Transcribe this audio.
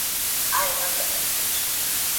دا پیوند نه ماتېدونکی دی.